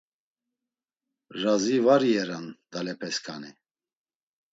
Razi var iyeran dalepesǩani.